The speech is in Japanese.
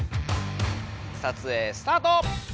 撮影スタート！